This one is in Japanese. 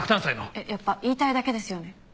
えっやっぱり言いたいだけですよね？